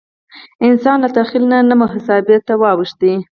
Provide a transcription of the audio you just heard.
انسان له تخیل نه محاسبه ته واوښت.